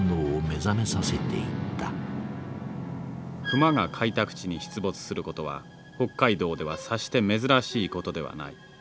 クマが開拓地に出没することは北海道ではさして珍しいことではない。